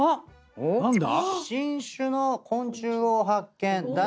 何だ？